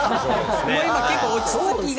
今、結構落ち着きが。